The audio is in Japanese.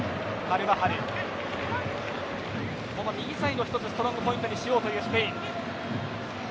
右サイド、一つストロングポイントにしようというスペイン。